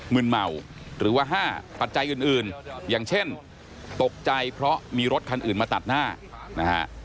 ืนเมาหรือว่า๕ปัจจัยอื่นอย่างเช่นตกใจเพราะมีรถคันอื่นมาตัดหน้านะฮะ